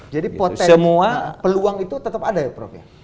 jadi peluang itu tetap ada ya prof ya